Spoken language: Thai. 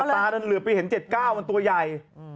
ตานั้นเหลือไปเห็น๗๙มันตัวใหญ่